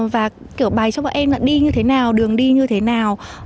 và bài cho bọn em là đi như thế nào đường đi như thế nào